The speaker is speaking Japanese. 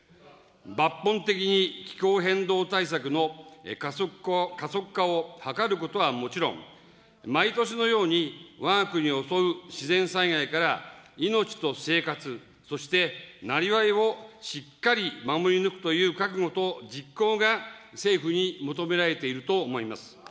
抜本的に気候変動対策の加速化を図ることはもちろん、毎年のように、わが国を襲う自然災害から、命と生活、そしてなりわいをしっかり守り抜くという覚悟と実行が、政府に求められていると思います。